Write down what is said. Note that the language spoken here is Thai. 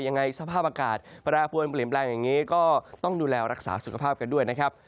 ยังไงสภาพอากาศแปรปวนเปลี่ยนแปลงอย่างนี้ก็ต้องดูแลรักษาสุขภาพกันด้วยนะครับ